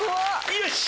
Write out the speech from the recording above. よし！